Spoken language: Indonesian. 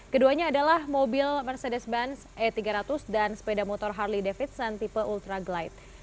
keduanya adalah mobil mercedes benz e tiga ratus dan sepeda motor harley davidson tipe ultra glight